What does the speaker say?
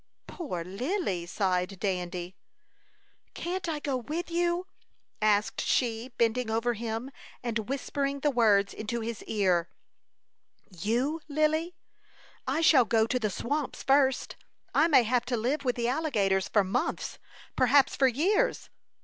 "Poor Lily!" sighed Dandy. "Can't I go with you," asked she, bending over him, and whispering the words into his ear. "You, Lily! I shall go to the swamps first. I may have to live with the alligators for months, perhaps for years."